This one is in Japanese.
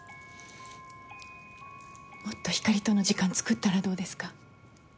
もっとひかりとの時間つくったらどうですか？